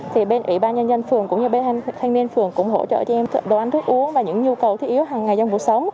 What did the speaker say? thì bên ủy ban nhân dân phường cũng như bên thanh niên phường cũng hỗ trợ cho em đồ ăn thức uống và những nhu cầu thiết yếu hằng ngày trong cuộc sống